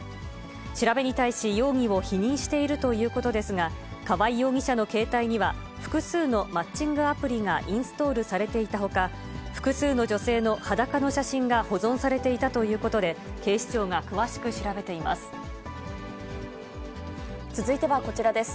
調べに対し容疑を否認しているということですが、河合容疑者の携帯には複数のマッチングアプリがインストールされていたほか、複数の女性の裸の写真が保存されていたということで、警視庁が詳続いてはこちらです。